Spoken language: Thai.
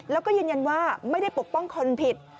แล้วก็ยืนยันว่าไม่ได้ปกป้องคนผิด